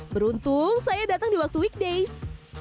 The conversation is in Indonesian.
beruntung saya datang di waktu weekdays